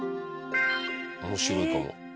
面白いかも。